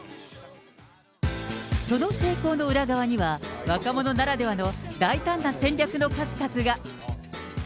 その成功の裏側には、若者ならではの大胆な戦略の数々が。